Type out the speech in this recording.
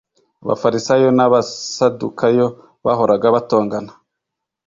Abafarisayo n'abasadukayo bahoraga batongana.